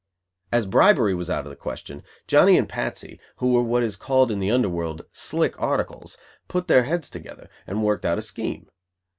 As bribery was out of the question, Johnny and Patsy, who were what is called in the underworld "slick articles," put their heads together, and worked out a scheme.